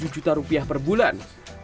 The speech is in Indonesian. satu juta rupiah per bulan